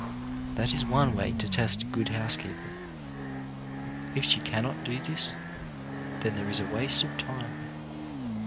That is one way to test a good housekeeper. If she cannot do this, then there is a waste of time.